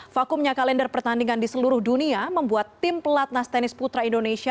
vakumnya kalender pertandingan di seluruh dunia membuat tim pelatnas tenis putra indonesia